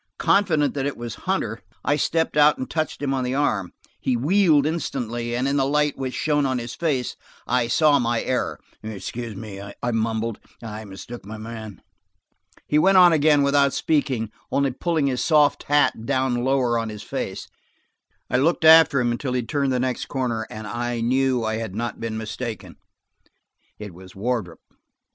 Confident that it was Hunter, I stepped out and touched him on the arm. He wheeled instantly, and in the light which shone on his face, I saw my error. "Excuse me," I mumbled, "I mistook my man." He went on again without speaking, only pulling his soft hat down lower on his face. I looked after him until he turned the next corner, and I knew I had not been mistaken; it was Wardrop.